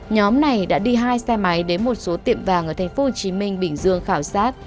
nhóm này đã đi hai xe máy đến một số tiệm vàng ở thành phố hồ chí minh bình dương khảo sát